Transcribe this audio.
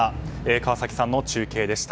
川崎さんの中継でした。